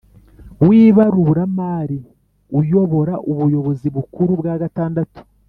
w ibaruramari uyubora Ubuyobozi Bukuru bwa gatandatu